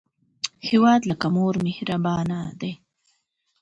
هیواد لکه مور مهربانه دی